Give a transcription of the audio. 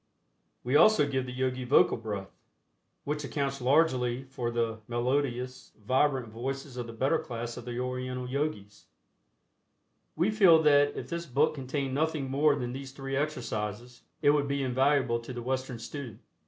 We also give the Yogi Vocal Breath, which accounts largely for the melodious, vibrant voices of the better class of the Oriental Yogis. We feel that if this book contained nothing more than these three exercises, it would be invaluable to the Western student.